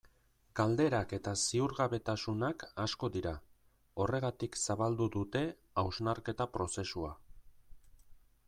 Galderak eta ziurgabetasunak asko dira, horregatik zabaldu dute hausnarketa prozesua.